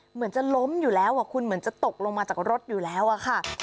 เหมือนจะล้มอยู่แล้วคุณเหมือนจะตกลงมาจากรถอยู่แล้วอะค่ะ